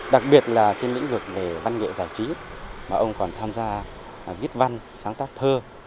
đặc biệt là trên lĩnh vực về văn nghệ giải trí mà ông còn tham gia viết văn sáng tác thơ